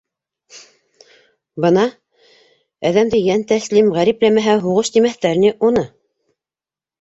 - Бына... әҙәмде йәнтәслим ғәрипләмәһә һуғыш тимәҫтәр ине уны...